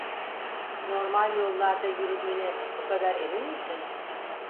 Normal yollarda yürüdüğüne bu kadar emin misin?